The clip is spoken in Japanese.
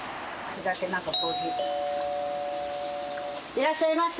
いらっしゃいませ。